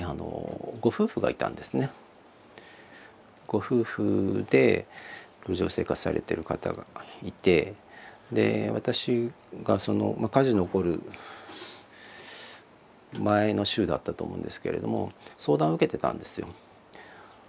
ご夫婦で路上生活されてる方がいてで私が火事の起こる前の週だったと思うんですけれども相談を受けてたんですよ。